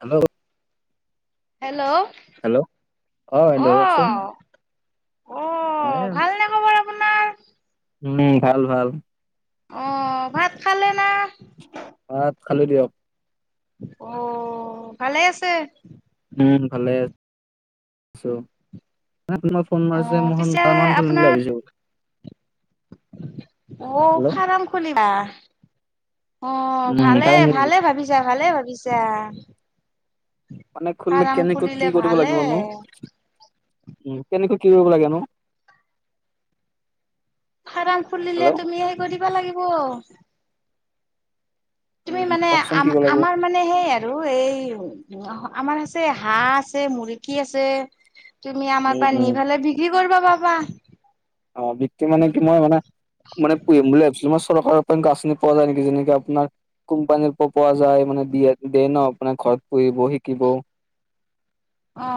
Hello hello. Hello অঁ অ hello কওঁকচোন। অ হয়। ভালনে খবৰ আপোনাৰ উম ভাল ভাল। অঁ ভাত খালে না! ভাত খালি দিয়ক। অঁ ভালে আছে। উম ভালে আছ আছো। ন ত মাৰ ফোন অ মাৰিছে পিছে মই তাৰ মাহ খুলিম বুলি ভাবিছো। অঁ হেল্ল' ফাৰ্ম খুলিবা। অঁ উম ভালে ফাৰ্ম ভালে খুলিছো। ভাবিছা ভালে ভাবিছা। মানে খুলিলে ফাৰ্ম কেনেকৈ খুলিলে কি কৰিব ভালে লাগিবনো উ কেনেকৈ কি কৰিব লাগেনো। ফাৰ্ম খুলিলে হেল্ল' তুমি হেই কৰিবা লাগিব। তুমি উম মানে কওকচোন আ কি কৰিব লাগিব আমাৰ মানে সেই আৰু এই আমাৰ হাঁহ আছে মুৰ্গী আছে তুমি আমাৰ উম পৰা উম নিফালে বিক্ৰী কৰিব পাবা। অ বি মানে কি মই মানে মানে পুহিম বুলি ভাবিছিলো মই। চৰকাৰৰ পৰা গ আছনি পোৱা যায় নেকি? যেনেকে আপোনাৰ কোম্পানীৰ পৰা পোৱা যায় মানে দিয়ে দিয়ে ন আপোনাৰ ঘৰত পুহিব শিকিব অ,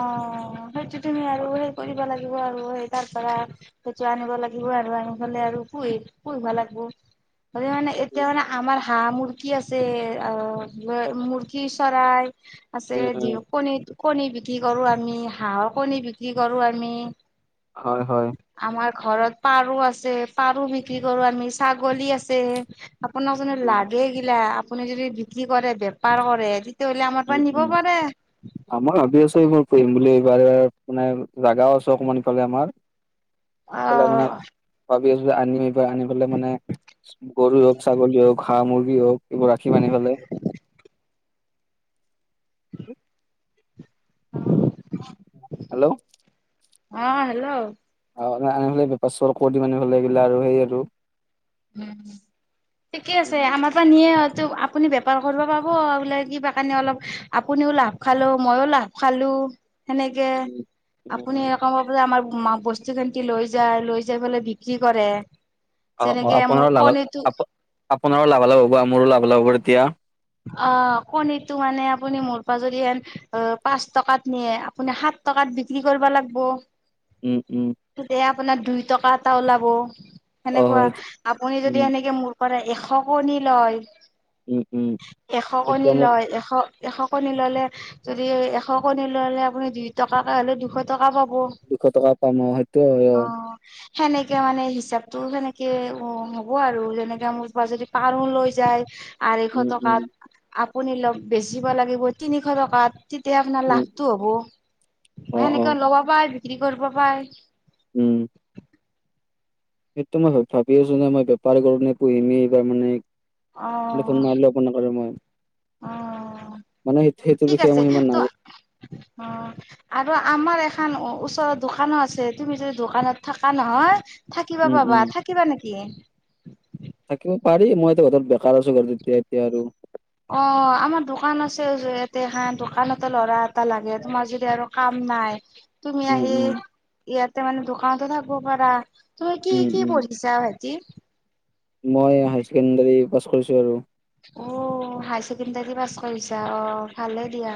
সেইটো তুমি আৰু সেই কৰিব লাগিব। আৰু তাৰ পৰা সেইটো আনিব লাগিব আৰু আনিবে আৰু পুহি পুহিব লাগিব। হয়, মানে এতিয়া মানে আমাৰ হাঁহ মুৰ্গী আছে অ', মুৰ্গী চৰাই। আছে উম উম য কণীত কণী বিক্ৰী কৰো আমি হাঁহৰ কণী বিক্ৰী কৰো আমি। হয়, হয়। আমাৰ ঘৰত পাৰ আছে, পাৰো বিক্ৰী কৰো আমি। ছাগলী আছে। আপোনাক যদি লাগে গিলা আপুনি যদি বিক্ৰী কৰে বেপাৰ কৰে তেনে হ'লে আমাৰ পৰা উম নিব উম পাৰে। আমাৰ ভাবি আছো এইবোৰ পঢ়িম বুলি এইবাৰ এইবাৰ মানে জোগাও আছে অকমান ইফালে আমাৰ। ইফালে মানে আহ। ভাবি আনিম আনি পেলে মানে গৰু হওক ছাগলী হওক হা মুৰ্গী হওক এইবোৰ ৰাখি মানি ফালে। [unintelligible] হেল্ল'। অ, হেল্ল'। অ, আ হাললে বেপাৰ চ কৰি দিম আনিবাললে এইগিলা আৰু সেই আৰু। উম, ঠিকে আছে উম আমাৰ পৰা নিয়ে আপুনি বেপাৰ কৰিব পাব বোলে কিবা-কানি অলপ আপুনিও লাভ খালো মইও লাভ খালো। সেনেকে আপুনি উম কম পাবলে আমাৰ বস্তু খিনিকি লৈ যায় লৈ যাই পেলাই বিক্ৰী কৰে। অ', অ' যেনেকে মোৰ আপোনাৰো লাভ কণীটো আপোনাৰো লাভালাভ হ'ব, মোৰো লাভালাভ হ'ব তেতিয়া। অ', কণীটো মানে আপুনি মোৰ প যৰি হন অ পাঁচ টকাত নিয়ে আপুনি সাত টকাত। পাত বিক্ৰী কৰিব লাগিব। উম, উম। তেতিয়া আপোনাৰ দুই টকা এটা ওলাব অ সেনেকুৱা হয় আপুনি যদি উম সেনেকে মোৰ পৰা এশ কণী লয়। উম। উম এশ কণী তেতিয়া মই লয় এশ। এশ কণী ল'লে যদি এশ কণী ল'লে আপুনি দুই টকাকৈ হ'লেও দুশ টকা পাব। দুশ টকা পাম অ সেইটো হয় অ সেনেকে মানে হিচাপতো সেনেকে হ'ব আৰু যেনেকে মোৰ বা যদি পাৰো লৈ যায়। আঢ়ৈশ উম উম টকাত। আপুনি অ', বেচিব লাগিব তিনিশ টকাত। তেতিয়া আপোনাৰ উম লাভটো হ'ব অ অ সেনেকে ল'ব পাই বিক্ৰী কৰিব পাই। উম। সেইটো মই ভ ভাবি আছো ন মই বেপাৰী গণে পুহিম এইবাৰ মানে। অ ফোন মাৰিলে একো নকৰো মই। অ। মানে সেই সেইটোৰ ঠিক বিষয়ে আছে মই ইমান ত' নাজানো। অ। আৰু আমাৰ এখন ওচৰত দোকানো আছে তুমি যদি দোকানত থাকা নহয় থাকিবা উম উম পাবা। থাকিবা নেকি? থাকিব পাৰি মই এতিয়া ঘৰত বেকাৰ আছো ঘৰত এতিয়া এতিয়া আৰু অ', আমাৰ দোকান আছে জেত এতে হা দোকানতে লৰা এটা লাগে তোমাৰ যদি আৰু কাম নাই তুমি উম আহি উম ইয়াতে মানে দোকানতো থাকব পাৰা তুমি উম কি- কি উম পঢ়িছা ভা কি? মই হাই ছেকেণ্ডাৰী পাছ কৰিছো আৰু। অহ, হাই ছেকেণ্ডাৰী পাছ কৰিছা অহ ভালে দিয়া।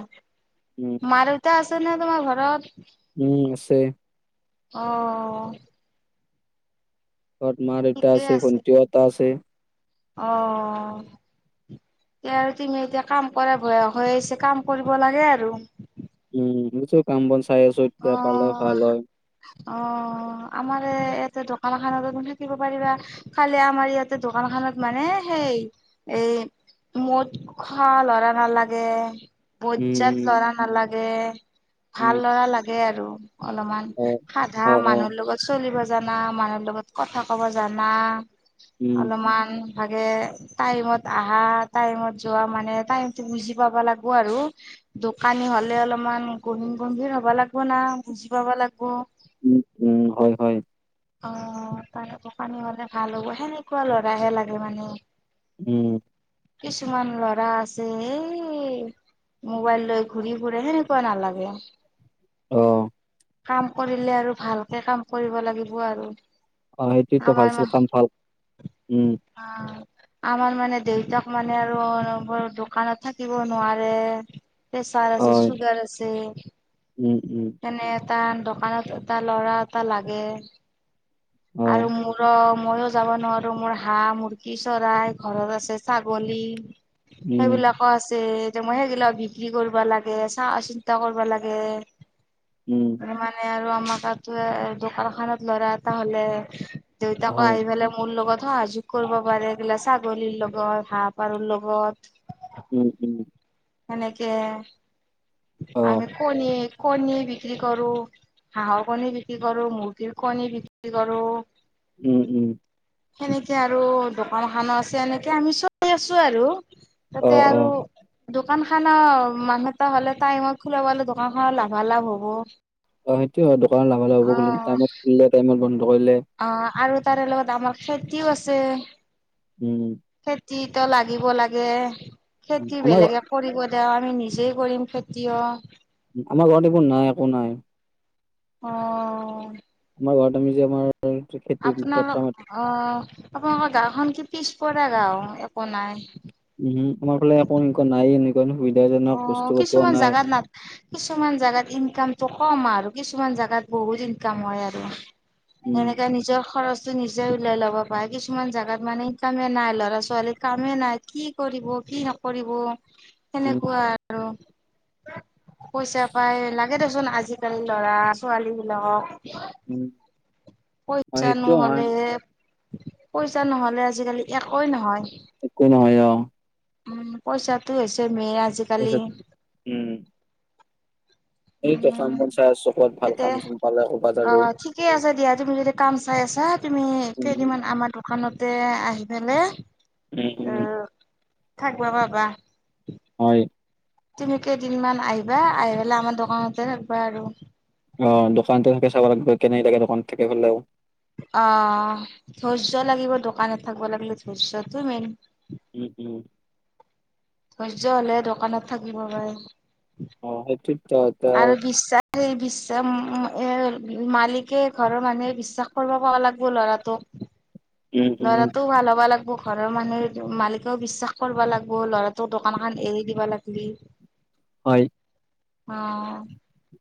উম মা‌ -দেউতা আছে নে তোমাৰ ঘৰত? উম আছে। অ। ঘৰত মা-দেউতা আছে ভণ্টিও এটা আছে। অহ এতিয়া আৰু তুমি এতিয়া কাম কৰা বয়স হৈ আহিছে, কাম কৰিব লাগে আৰু। উম, উম [unintelligible] অহ - অহ আমাৰে এতে দোকান খানতে থাকিব পাৰিবা। খালি আমাৰ ইয়াতে দোকান খনত মানে সেই এ মদ খোৱা লৰা নালাগে। উম বজজাত উম লৰা নালাগে, ভাল উম লৰা লাগে আৰু। অলমান অ সাধা অ অ মানুহৰ লগত চলিব জনা, মানুহৰ লগত, কথা কব জনা উম অলমান ভাগে টাইমত আহা টাইমত যোৱা মানে টাইমটো বুজি পাব লাগব আৰু দোকানী হলে অলপমান গহীন গম্ভীৰ হব লাগব না, বুজি পাবা লাগব। উম- উম, হয় - হয়। অ তনেুৱ দোকানি হলে ভাল হ'ব। সেনেকুৱা লৰাহে লাগে মানে। উম। কিছুমান ল'ৰা আছে হে মোবাইল লৈ ঘূৰি ফুৰে সেনেকুৱা নালাগে। অ। কাম কৰিলে আৰু ভালকে কাম কৰিব লাগিব আৰু। অহ, সেইটোয়েটো ভালছে আমাৰ কাম পাল উম। আমাৰ মানে দেউতাক মানে আৰু অনবৰত দোকানত থাকিব নোৱাৰে পেচাৰ আছে, অ চুগাৰ আছে। উম, উম, তেনে তাৰ দোকানত এটা ল'ৰা এটা লাগে। আৰু অ', মোৰ মইও যাবা নোৱাৰো মোৰ হাঁহ, মুৰ্গী চৰাই ঘৰত আছে ছাগলী উম, সেইবিলাকো আছেই। যে মই সেইগিলাও বিক্ৰী কৰবা লাগে চাৱা -চিন্তা কৰবা লাগে। উম, মানে আৰু আমাৰ তাতো দোকান খানত লৰা এটা হ'লে দেউতাকো হয়, আহি পেলাই মোৰ লগত সহযোগ কৰিব পাৰে। এইগিলা ছাগলীৰ লগত, হাঁহ পাৰৰ লগত উম, উম। সেনেকে অ', আমি কণী কণী বিক্ৰী কৰো, হাঁহৰ কণী বিক্ৰী কৰো, মুৰ্গীৰ কণী বিক্ৰী কৰো, উম -উম সেনেকে আৰু দোকান খানো আছে। এনেকে আমি চলি আছো আৰু। তাতে অ', আৰু অ', দোকান খানো মানুহ এটা হ'লে টাইমত খোলা পালে দোকানখনৰ লাভালাভ হ'ব। অ সেইটো হয়। দোকানৰ লাভালাভ হ'ব টাইমত খুলিলে, টাইমত বন্ধ কৰিলে, অ আৰু তাৰে লগত আমাৰ খেতিও আছে। উম খেতিতটো লাগিব লাগে। উম, খেতি আমাৰ ঘ বেলেগে কৰিব এতিয়া আমি নিজে কৰিম খেতিও। আমাৰ ঘৰত সেইবোৰ নাই একো নাই অ। আমাৰ ঘৰত আমি যে আমাৰ। খেতি আপোনালোক পথাৰত অ'! আপোনালোকৰ গাঁওখন কি পিছপৰা গাওঁ একো নাই। উহু, আমাৰ ফালে একো এনেকুৱা নাই এনেকুৱা সুবিধাজনক বস্তু অ'! পাতিও কিছুমান নাই, জাগাত ন' কিছুমান জাগাত ইনকামটো কম আৰু কিছুমান জোগাত বহুত ইনকাম হয় আৰু উম, তেনেকে নিজৰ খৰচ। নিজে উওলাই ল'ব পাৰে কিছুমান জাগাত মানে ইনকামে নাই ল'ৰা ছোৱালী কামে নাই কি কৰিব। কি নকৰিব উম, সেনেকুৱা আৰু পইচা পাই লাগ। লাগে দেচোন আজিকালি ল'ৰা ছোৱালী বিলাকক। উম! হয় পইচা সেইটো হয়, নহ'লে, পইচা নহ'লে। আ আজিকালি একোৱেই নহয়। একো নহয় অ', উম, পইচাটো হৈছে মেইন আজিকালি। তাৰপিছত উম, উ এইটো কাম বন চাই আছোঁ ক'ত ভাল এতিয়া কাম চাম পালে ক'ৰবাত অ আৰু ঠিকে আছে দিয়া তুমি যদি কাম চাই আছা। ছা তুমি উম, কেইদিনমান আমাৰ দোকানতে আহি পেলে উম! উম! থাকিবা বাবা। হয়। তুমি কেইদিনমান আহিবা আহি পেলাই আমাৰ দোকানতে থাকিবা আৰু। অ দোকানতে থাকে চাব লাগিব কেনে লাগে দোকানত থাকে হলে। অ ধৈৰ্য লাগিব দোকানত থাকিব লাগিলে ধৈৰ্যটো মেইন। উম উম। ধৈৰ্য হলে হে দোকানত থাকিব পাৰে। অ সেইটোতো এটা। আৰু বিশ্বাস বিশ্বাস এ মালিকে ঘৰৰ মানুহে বিশ্বাস কৰিব পাব লাগিব ল'ৰাটোক [unintelligible] লৰা উম তোৰ ভাল হ'ব লাগিব। ঘৰৰ মানুহে মালিকেও বিশ্বাস কৰিবা লাগিব ল'ৰাটোক দোকানখন এৰি দিবা লাগলি। হয়। অ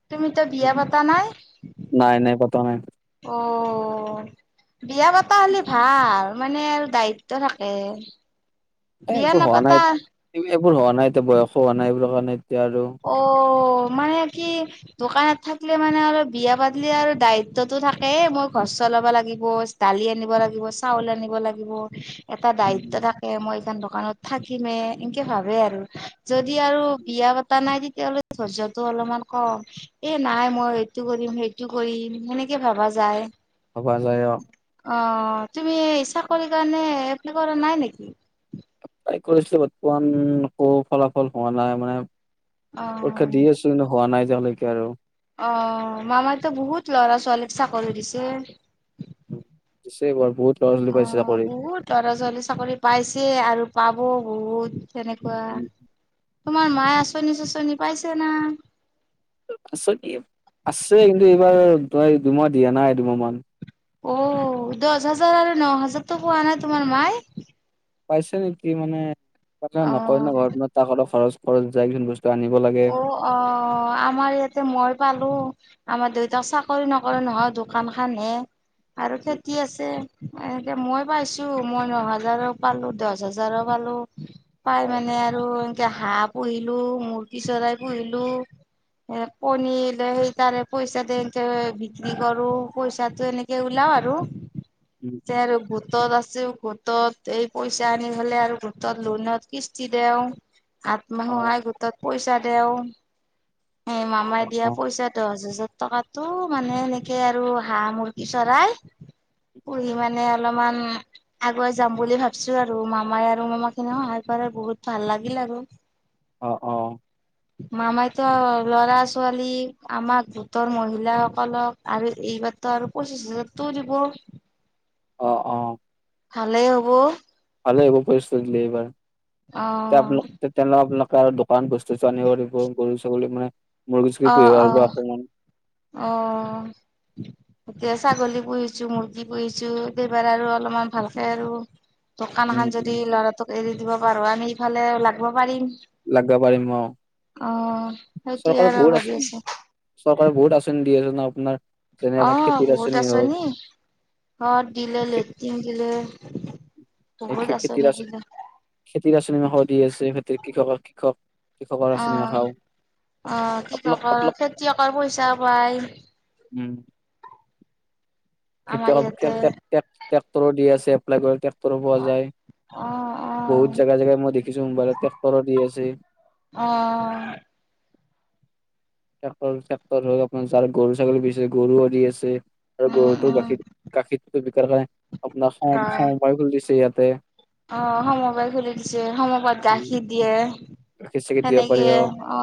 তুমিতো বিয়া উম পতা নাই। নাই নাই পতা নাই অ [unintelligible] বিয়া পাতা হ'লে ভাল মানে আৰু দায়িত্ব থাকে এ বিয়া এইবোৰ হোৱা নাই নাপাতা এইবোৰ হোৱা নাই এতিয়া বয়সো হোৱা নাই এইবোৰ কাৰণে এতিয়া আৰু অ' মানে কি দোকানত থাকিলে মানে অলপ বিয়া পাতিলে আৰু দায়িত্বটো থাকে মোৰ ঘৰ চৰ। চলাব লাগিব দালি আন লাগিব চাউল আনিব লাগিব এটা উম, দায়িত্ব থাকে মই। এইখন দোকানত থাকিমে এনকে ভাবে আৰু যদি আৰু বিয়া পাতি পতা নাই তেতিয়াহ'লে ধৈৰ্যটো অলপমান কম এ নাই মই এইটো কৰিম সেইটো কৰিম হেনে। কে ভাবা যায়। ভবা যায় অ'! অ তুমি চাকৰি কাৰণে এপ্লাই কৰা নাই নেকি? ট্ৰাই কৰিছিলোঁ। বৰ্তমান, একো ফলাফল হোৱা নাই। মানে, পৰীক্ষা অ'। দি আছোঁ। কিন্তু, হোৱা নাই এতিয়ালৈকে আৰু। অ মামাই তো বহুত লৰা ছোৱালীক চাকৰি দিছে। দিছে এইবাৰ বহুত। ল'ৰা ছোৱালী অ পাইছে চাকৰি বহুত ল'ৰা ছোৱালী চাকৰি পাইছে আৰু পাব বহুত। তেনেকুৱা উম, তোমাৰ মায়ে আচনি চাচনি পাইছে না। আছ আছে কিন্তু এইবাৰ তই দুমাহ দিয়া নাই দুমাহমান। অ দহ হাজাৰ আৰু ন হাজাৰতটো পোৱা নাই তোমাৰ মায়ে। পাইছে নেকি মানে কথা নকয় ন অ', ঘৰত তাক অলপ খৰচ খৰচ যায় কি বস্তু। আনিব লাগে। অ অ আমাৰ ইয়াতে মই পালো। আমাৰ দেউতাক চাকৰি নকৰে নহয় দোকান খানহে। আৰু উম, খেতি আছে এনেকে মই পাইছো মই ন হাজাৰো পালো দহ হাজাৰো পালো। পাই হয়। মানে আৰু এনেকে হাহ পুহিলো মুৰ্গী চৰাই পুহিলো। কনী ল সেই তাৰে পইচা এনেকে বিক্ৰী কৰো পইচাটো এনেকে ওলা। আৰু উম, চে উম। আৰু গোটত আছোঁ গোটত এই পইচা আনি হলে আৰু গোটত লোনত কিস্তি দিও। অ', আত্মসহায় গোটত পইচা দেও সেই মামাই অ', দিয়া অ', পইচাটো দহ হাজাৰ। ত টকাটো মানে এনেকে আৰু হাঁহ মুৰ্গী চৰাই। পুৰি মানে অলপমান আগুৱাই যাম বুলি ভাবিছো আৰু মামাই আৰু মামা খিনি সহায় কৰে। বহুত ভাল লাগিল আৰু। অ অ। মামাইতো ল'ৰা ছোৱালী আমাক গোটৰ মহিলাাসকলক আৰু এইবাৰ। এটা আৰু পঁচিছ হাজাৰ তোৰ দিব। অ অ। ভালেই হ'ব। ভালে আহ পইচা দিলে এইবাৰ [unintelligible] অ', আপোনোকে আৰু দোকান। আনিবাৰিব গৰু ছাগলী মানে মোৰ কিছু পুহিবা আৰু অকমান। অহ। এতিয়া ছাগলী পুহিছো মুৰ্গী পুহিছো দেবাৰ আৰু অলপমান ভালকে আৰু। দোকান উম, এখান উম, যদি লৰাটোক এৰি দিব পাৰো আমি ইফালে লাগিব পাৰিম। লাগিব পাৰিম অ, অ', সেইটোয়ে চৰকাৰৰ আৰু বহুত ভাবি আছিল আছো চ। বহুত আছনি দি আছে ন আপোনাৰ। যেনে অ আমাৰ খেতিৰ বহুত আঁচনি হওঁক আছনি অ দিলে লেট্ৰিন দিলে। বহুত আঁচনি খেতিৰ আচ দিলে খেতিৰ আচনি ম সৰ দি আছে খেতিৰ কৃষক - কৃষক। কৃষকৰ আচননি ন অ', খাও। অ কি কৰ কৰ খেতিয়কৰ পইচা পায়। উ [unintelligible] আমাৰ খেতিয়ক ইয়াতে। ট্ৰেক্টৰো দি আছে এপ্লাই কৰি ট্ৰেক্টৰো পোৱা যায়। অ', অ', বহুত জেগা জেগাই মই দেখিছো মোমবাইত ট্ৰেক্টৰত দি আছে। অ', [unintelligible] ট্ৰেক্টৰ চেক্টৰ আপোনাৰ যাৰ গৰু ছাগলী বিচছে গৰু আৰি দি আছে। আৰু উম, গৰুটো উম। গাখীৰ গাখীৰটো বিকাৰ কাৰণে আপোনাৰ সম অ', সমবায় খুলি দিছে ইয়াতে। অ সমবাই খুলি দিছে সমবাত গাখীৰ দিয়ে। গাখীৰ চাখীৰ দিব পাৰি সনেকে অ,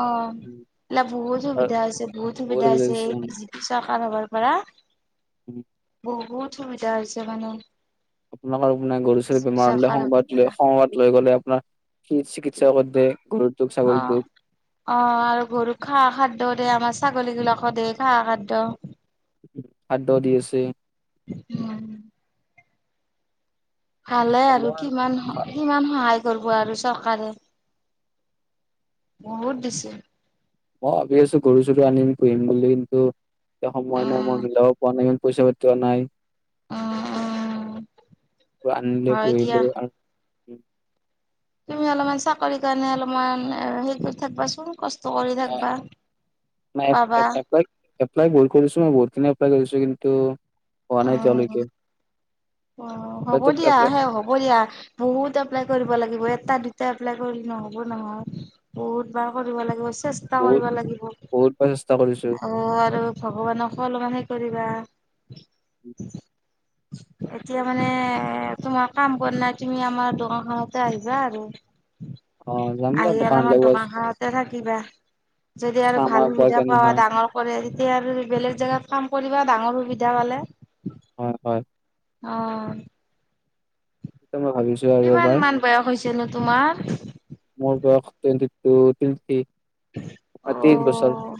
বহুত সুবিধা হৈছে - বহুত সুবিধা হৈছে এই বিজি পি চৰকাৰ হবৰ পৰা। উম। বহুত সুবিধা হৈছে মানুহ। আপোনাক আৰু মানে গৰু ছাগলী বেমাৰ হলে হ'বৰ সংবাদ লৈ পৰা সংবাদ লৈ গ'লে আপোনাৰ চিকিৎসা। ইচ্ছা কৰি দে। অ অ আৰু গৰু খা খাদ্যৰে আমাৰ চাক। ছাগলী গিলাকৰ দে খাঁহ খাদ্য। সাদহ দি আছে। উম। ভালে আৰু কিমান মই কিমান সহায়। কৰিব আৰু চৰকাৰে বহুত দিছে। মই ভাবি আছো ঘৰু চৰু আনিম পুহিম বুলি কিন্তু। এতিয়া সময় নাই মই মিলাব পোৱা নাই ইমান পইচা পাতিও নাই। আনিলে হয় দিয়া পোহিলো আৰু। তুমি অলপমান চাকৰিৰ কাৰণে অলপমান হেৰি কৰি থাকিবাচোন। পাবা এপ্লাই কৰিছো মই বহুত খিনি। হয় কৰিছো কিন্তু, হোৱা নাই অ', এতিয়ালৈকে। অ হ'ব এপ্লাইটো দিয়া এপ্লাই হে হ'ব দিয়া বহুত এপ্লাই কৰিব লাগিব। এটা দুটা এপ্লাই কৰিল নহ'ব নহয়, বহুত বাৰ কৰিব লাগিব। চেষ্টা বহুত কৰিব লাগিব বহুত বাৰ চেষ্টা কৰিছো অঁ আৰু ভগৱানক অলমান হেৰি কৰি [unintelligible] [inaudible] এতিয়া মানে তোমাৰ কাম কৰা নাই, তুমি আমাৰ দোকানখনতে আহিবা আৰু। অঁ। আহি অলপমান দোকান খনতে থাকিবা। যদি আৰু চাম ভাল একবাৰ সুবিধা কেনে পাবা হয় ডাঙৰ কৰে তেতিয়া আৰু বেলেগ জেগাত কাম কৰিবা ডাঙৰ সুবিধা পালে। হয় হয় অঁ। তাকে মই ‌ভাবিছো আৰু এবাৰ যেনো তোমাৰ। মোৰ বয়স টুৱেণ্টি টু টুৱেন্টি ম ত্ৰিশ বছৰ। অ